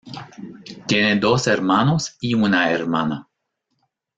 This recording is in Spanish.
Tiene dos hermanos y una hermana.